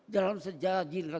dalam sejarah jin rentara